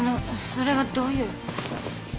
それはどういう？